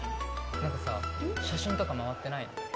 何かさ写真とか回ってないの？